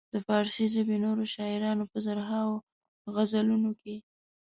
د فارسي ژبې نورو شاعرانو په زرهاوو غزلونو کې.